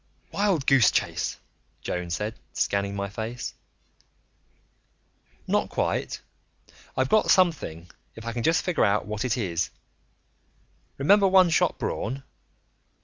"Wild goose chase?" Joan said, scanning my face. "Not quite. I've got something, if I can just figure out what it is. Remember One Shot Braun?"